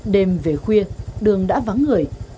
đêm về khuya đường đã vắng người